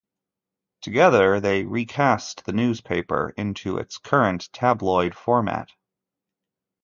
Together, they recast the newspaper into its current tabloid format.